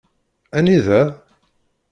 Anida?